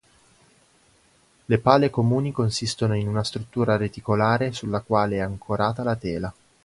Le pale comuni consistono in una struttura reticolare sulla quale è ancorata la tela.